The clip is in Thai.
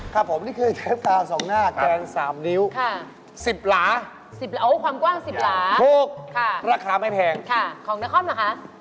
ครับผมนี่คือเทปผ้าสองหน้าแกง๓นิ้วสิบหลาถูกราคาไม่แพงของนักคอมล่ะคะ